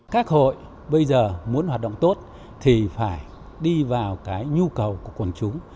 các hội bây giờ muốn hoạt động tốt thì phải đi vào cái nhu cầu của quần chúng